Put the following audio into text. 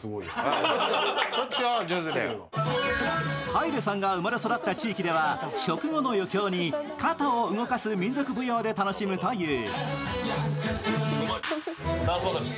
ハイレさんが生まれ育った地域では食後の余興に肩を動かす民族舞踊で楽しむという。